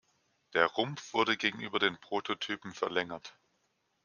Der Rumpf wurde gegenüber den Prototypen verlängert.